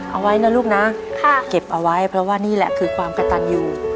เอาไว้นะลูกนะเก็บเอาไว้เพราะว่านี่แหละคือความกระตันอยู่